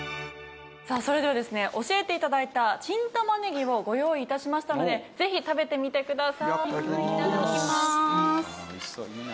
さあそれではですね教えて頂いたチン玉ねぎをご用意致しましたのでぜひ食べてみてください。